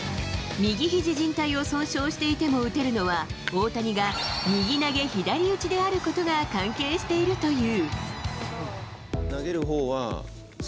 右肘じん帯を損傷していても打てるのは、大谷が右投左打であることが関係しているという。